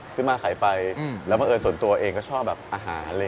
ซื้อมาขายไปแล้วส่วนตัวเองก็ชอบอาหาร